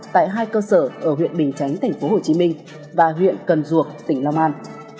tại hai cơ sở ở huyện bình chánh tp hcm và huyện cần duộc tỉnh long an